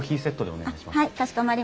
お願いします。